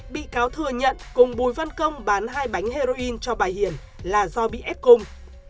bị cáo thừa nhận cùng bùi văn công bán hai bánh heroin cho bà hiền là do bị ép cung